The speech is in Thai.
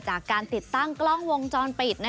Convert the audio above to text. จากการติดตั้งกล้องวงจรปิด